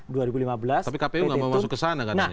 tapi kpu nggak mau masuk ke sana katanya